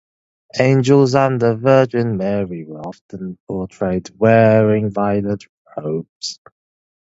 Angels and the Virgin Mary were often portrayed wearing violet robes.